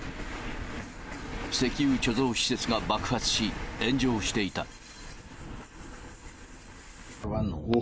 石油貯蔵施設が爆発し、炎上していた。